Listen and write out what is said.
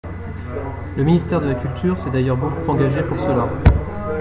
Le ministère de la culture s’est d’ailleurs beaucoup engagé pour cela.